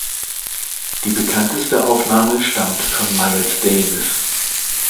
Die bekannteste Aufnahme stammt von Miles Davis.